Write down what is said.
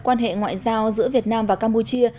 quan hệ ngoại giao giữa việt nam và campuchia